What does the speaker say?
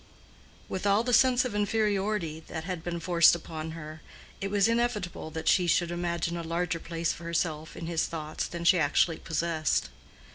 With all the sense of inferiority that had been forced upon her, it was inevitable that she should imagine a larger place for herself in his thoughts than she actually possessed.